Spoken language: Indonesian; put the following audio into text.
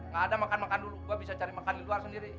gak ada makan makan dulu gue bisa cari makan di luar sendiri